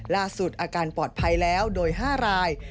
ล่าสุดอาการปลอดภัยแล้วโดย๕ราย